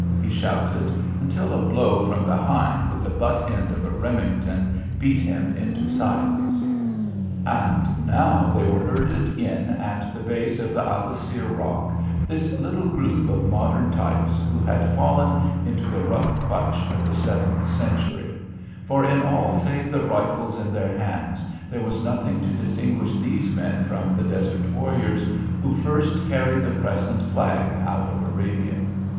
he shouted, until a blow from behind with the butt end of a Remington beat him into silence. And now they were herded in at the base of the Abousir Rock, this little group of modern types who had fallen into the rough clutch of the seventh century, for in all save the rifles in their hands there was nothing to distinguish these men from the desert warriors who first carried the crescent flag out of Arabia.